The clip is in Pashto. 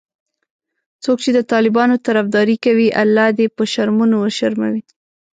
څوک چې د طالبانو طرفداري کوي الله دي په شرمونو وشرموي